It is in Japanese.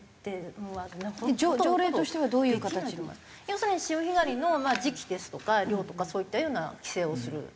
要するに潮干狩りの時期ですとか量とかそういったような規制をする。